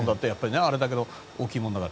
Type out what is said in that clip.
あれだけの大きいものだから。